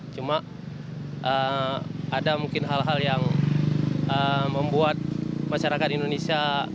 cuma ada mungkin hal hal yang membuat masyarakat indonesia